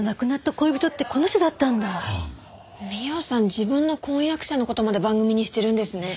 美緒さん自分の婚約者の事まで番組にしてるんですね。